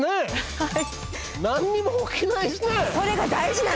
はい。